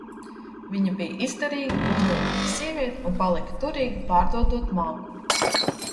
Viņa bija izdarīga, uzņēmīga sieviete un palika turīga, pārdodot malku.